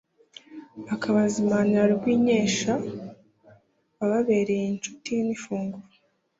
Akabazimanira Rwinkesha wababereye inshuti n' ifunguro.